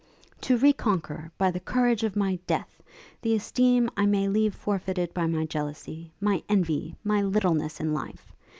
'To re conquer, by the courage of my death, the esteem I may leave forfeited by my jealousy, my envy, my littleness in life!